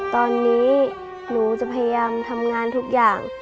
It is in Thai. ตอนนี้หนูจะพยายามทำงานทุกอย่าง